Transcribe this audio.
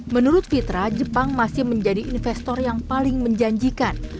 menurut fitra jepang masih menjadi investor yang paling menjanjikan